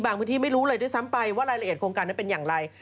พื้นที่ไม่รู้เลยด้วยซ้ำไปว่ารายละเอียดโครงการนั้นเป็นอย่างไร